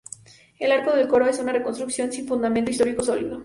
El arco del coro es una reconstrucción sin fundamento histórico sólido.